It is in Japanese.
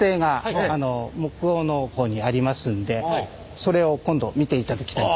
それを今度見ていただきたいと。